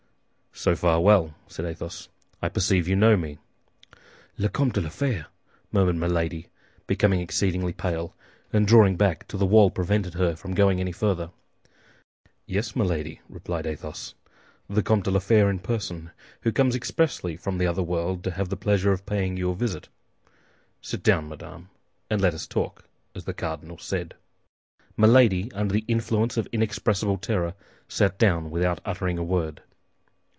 "So far, well," said Athos, "I perceive you know me." "The Comte de la Fère!" murmured Milady, becoming exceedingly pale, and drawing back till the wall prevented her from going any farther. "Yes, Milady," replied Athos; "the Comte de la Fère in person, who comes expressly from the other world to have the pleasure of paying you a visit. Sit down, madame, and let us talk, as the cardinal said." Milady, under the influence of inexpressible terror, sat down without uttering a word.